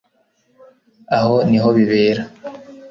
aho niho bibera